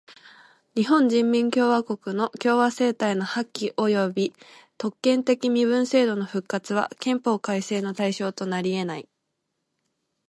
日本人民共和国の共和政体の破棄および特権的身分制度の復活は憲法改正の対象となりえない。